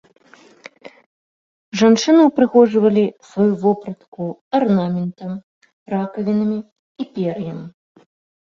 Жанчыны ўпрыгожвалі сваю вопратку арнаментам, ракавінамі і пер'ем.